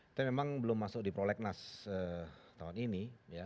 itu memang belum masuk di prolegnas tahun ini